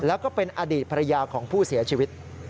แล้วก็เป็นอดีตภรรยาของผู้เสียชีวิต